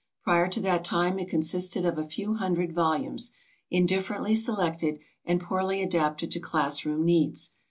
Prior to that time it consisted of a few hundred volumes, indifferently selected and poorly adapted to class room needs.